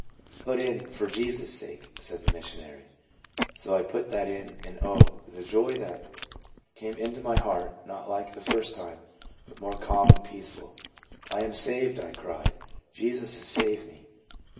" Put in ' For Jesus' sake,' " said the mis sionary. So I put that in, and oh, the joy that 54 TRANSFORMED. came into my heart; not like the first time, but more calm and peaceful. " I am saved,'' I cried ;" Jesus has saved me."